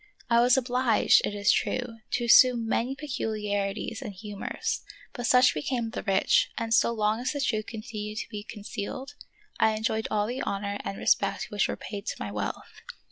I was obliged, it is true, to assume many peculiari ties and humors ; but such became the rich, and so long as the truth continued to be concealed I enjoyed all the honor and respect which were paid to my wealth.